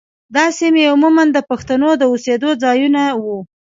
دا سیمې عموماً د پښتنو د اوسېدو ځايونه وو.